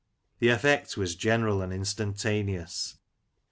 The effect was general and instantaneous.